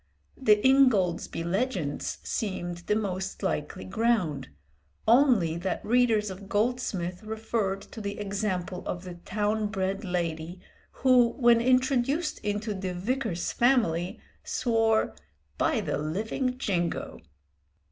The 'Ingoldsby Legends' seemed the most likely ground, only that readers of Goldsmith referred to the example of the town bred lady who, when introduced into the Vicar's family, swore "by the living Jingo!"